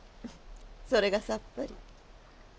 それがさっぱり。